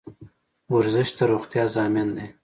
ورزش د روغتیا ضامن دی